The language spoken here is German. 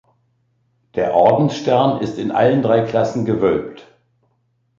Der Ordensstern ist in allen drei Klassen gewölbt.